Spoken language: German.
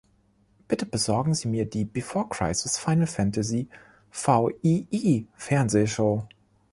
Bitte besorgen Sie mir die „Before Crisis: Final Fantasy VII“ Fernsehshow.